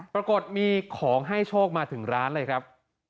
ปรากฏมีของให้โชคมาถึงร้านเลยครับ